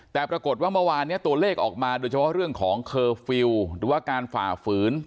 แต่ปรากฏว่าเมื่อวานนี้ตัวเลขออกมาโดยเฉพาะเรื่องของเคอร์ฟิลล์หรือว่าการฝ่าฝืน